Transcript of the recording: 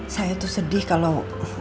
saya tuh sedih kalau